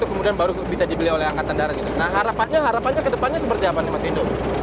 dan setelah itu baru bisa dibeli oleh angkatan darat gitu nah harapannya ke depannya seperti apa nih mas findo